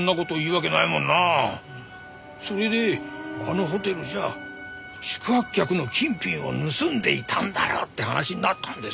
それであのホテルじゃ宿泊客の金品を盗んでいたんだろうって話になったんですよ。